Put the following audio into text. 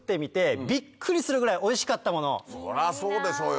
そりゃあそうでしょうよ